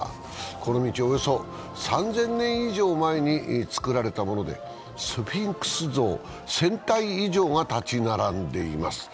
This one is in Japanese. この道、およそ３０００年以上前に造られたもので、スフィンクス像、１０００体以上が立ち並んでいます。